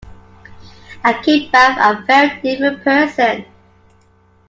I came back a very different person.